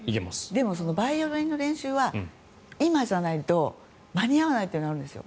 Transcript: でも、バイオリンの練習は今じゃないと間に合わないというのがあるんですよ。